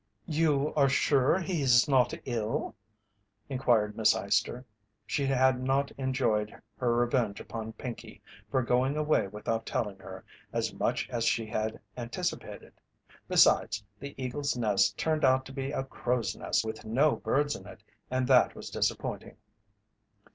"You are sure he's not ill?" inquired Miss Eyester. She had not enjoyed her revenge upon Pinkey, for going away without telling her, as much as she had anticipated; besides, the eagle's nest turned out to be a crows' nest with no birds in it, and that was disappointing.